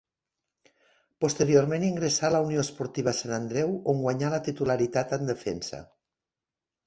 Posteriorment ingressà a la Unió Esportiva Sant Andreu on guanyà la titularitat en defensa.